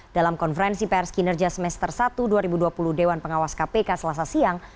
dalam konferensi pers kinerja semester satu dua ribu dua puluh dewan pengawas kpk selasa siang